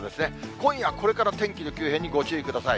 今夜これから、天気の急変にご注意ください。